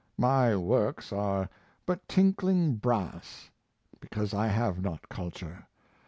My works are but tinkling brass because I have not culture.